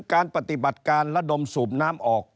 การปฏิบัติการระดมสูบน้ำออก